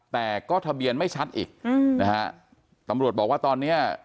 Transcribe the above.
แต่ก็ทะเบียนไม่ชัดอีกอืมนะฮะตำรวจบอกว่าตอนเนี้ย